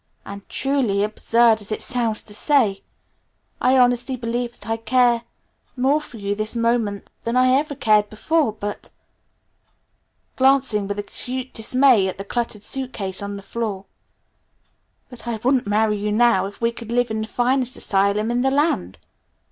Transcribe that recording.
"And truly, absurd as it sounds to say it, I honestly believe that I care more for you this moment than I ever cared before, but " glancing with acute dismay at the cluttered suitcase on the floor, "but I wouldn't marry you now, if we could live in the finest asylum in the land!"